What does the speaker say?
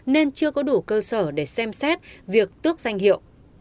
nên chưa có đủ cơ sở để xem xét việc tước danh hiệu